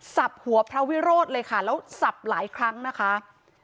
จับหัวพระวิโรธเลยค่ะแล้วสับหลายครั้งนะคะ